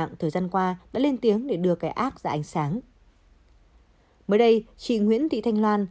nặng thời gian qua đã lên tiếng để đưa cái ác ra ánh sáng mới đây chị nguyễn thị thanh loan